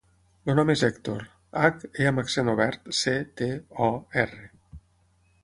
El nom és Hèctor: hac, e amb accent obert, ce, te, o, erra.